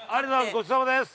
ごちそうさまです！